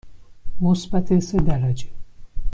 مثبت سه درجه.